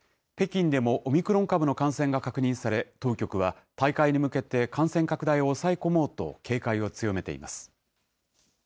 北京でもオミクロン株の感染が確認され、当局は大会に向けて感染拡大を抑え込もうと、警戒を強めています。